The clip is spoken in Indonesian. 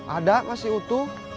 ada masih utuh